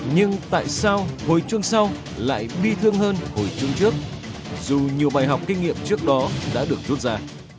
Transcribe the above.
nhưng tại sao hồi chuông sau lại bi thương hơn hồi chuông trước dù nhiều bài học kinh nghiệm trước đó đã được rút ra